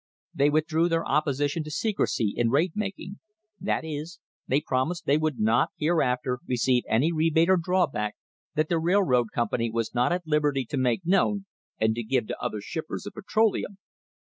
They withdrew their opposition to secrecy in rate mak ing — that is, they promised that they would not hereafter receive any rebate or drawback that the railroad company was not at liberty to make known and to give to other shippers of petroleum.